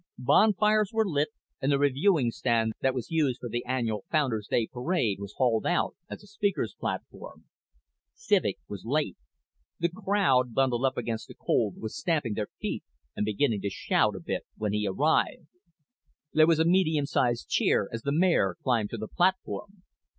Bonfires were lit and the reviewing stand that was used for the annual Founders' Day parade was hauled out as a speaker's platform. Civek was late. The crowd, bundled up against the cold, was stamping their feet and beginning to shout a bit when he arrived. There was a medium sized cheer as the mayor climbed to the platform.